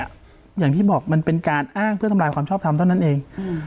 อย่างที่บอกมันเป็นการอ้างเพื่อทำลายความชอบทำเท่านั้นเอง